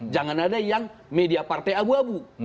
jangan ada yang media partai abu abu